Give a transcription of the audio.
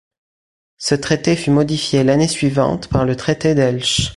Ce traité fut modifié l'année suivante par le Traité d'Elche.